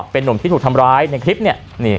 เป็นนุ่มที่ถูกทำร้ายในคลิปเนี่ย